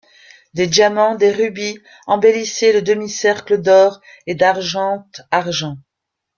Des diamants, des rubis embellissaient le demi-cercle d’or et d’argentargent.